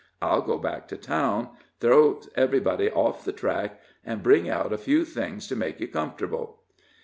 I'll go back to town, throw everybody off the track, and bring out a few things to make you comfortable."